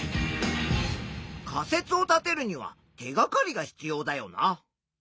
仮説を立てるには手がかりが必要だよな。